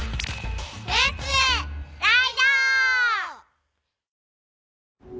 レッツライド！